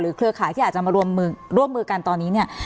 หรือเครือขายที่อาจจะมาร่วมมือกันตอนนี้